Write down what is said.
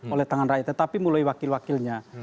oleh tangan rakyat tetapi mulai wakil wakilnya